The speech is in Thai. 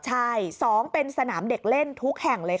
ใช่๒เป็นสนามเด็กเล่นทุกแห่งเลยค่ะ